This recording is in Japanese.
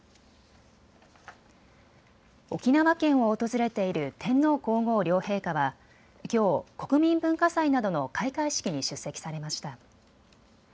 沖縄県を訪れている天皇皇后両陛下はきょう国民文化祭などの開会式に出席されました。